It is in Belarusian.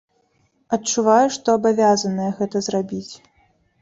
Адчуваю, што абавязаная гэта зрабіць.